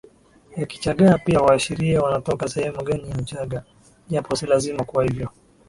ya Kichagga pia huashiria wanatoka sehemu gani ya Uchaga japo si lazima kuwa hivyo